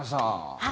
はい。